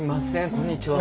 こんにちは。